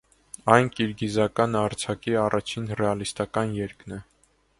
Այն կիրգիզական արձակի առաջին ռեալիստական երկն է։